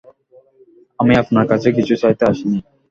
আমি আপনার কাছে কিছু চাইতে আসি নি।